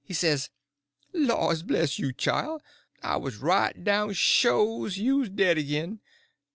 He says: "Laws bless you, chile, I 'uz right down sho' you's dead agin.